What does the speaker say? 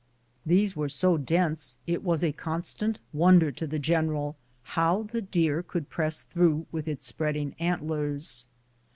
These were so dense it was a constant wonder to the general how the deer could press through with its spreading antlers.